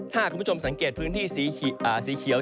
ถ้าคุณผู้ชมสังเกตพื้นที่สีเขียว